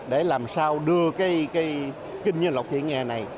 để làm sao đưa kênh nhiêu lộc thị nga này